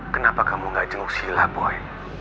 kenapa kamu gak jenguk sila boy